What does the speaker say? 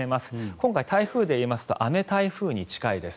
今回、台風でいいますと雨台風に近いです。